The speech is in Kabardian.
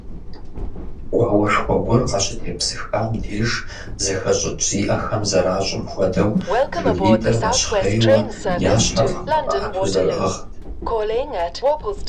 Гуауэшхуэ гуэр къащытепсыхам деж зэхэщӀыкӀ зиӀэхэм зэращӀым хуэдэу, жыгитӀыр нэщхъейуэ, я щхьэр къахуэмыӀэту зэрыӀыгът.